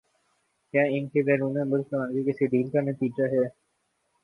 کیا ان کی بیرون ملک روانگی کسی ڈیل کا نتیجہ ہے؟